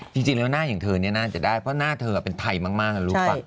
จริงจริงแล้วหน้าอย่างเธอนี้น่าจะได้เพราะหน้าเธออ่ะเป็นไทยมากมากอ่ะรู้ป่ะ